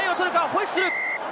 ホイッスル！